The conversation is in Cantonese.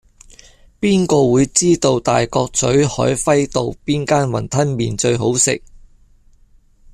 邊個會知道大角咀海輝道邊間雲吞麵最好食